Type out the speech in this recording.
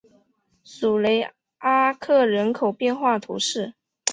索雷阿克人口变化图示